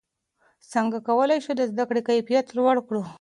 څنګه کولای سو د زده کړې کیفیت لوړ کړو؟